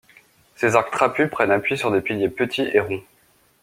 Ses arcs trapus prennent appui sur des piliers petits et ronds.